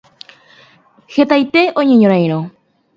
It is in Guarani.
Hetaite oñeñorãirõ.